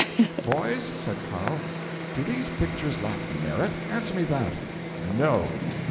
'"Boys," said Carl, "do these pictures lack merit? Answer me that." '"No!"